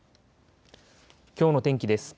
きょうの天気です。